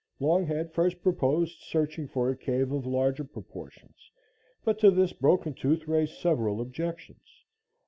Longhead first proposed searching for a cave of larger proportions, but to this Broken Tooth raised several objections.